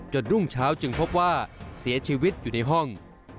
รุ่งเช้าจึงพบว่าเสียชีวิตอยู่ในห้อง